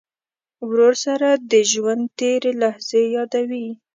ورور سره د ژوند تېرې لحظې یادوې.